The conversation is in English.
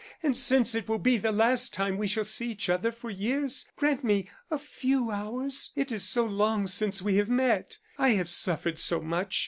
And since it will be the last time we shall see each other for years, grant me a few hours. It is so long since we have met. I have suffered so much.